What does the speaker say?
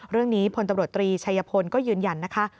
เรื่องนี้พลตำรวจตรีชัยพลก็ยืนยันนะคะ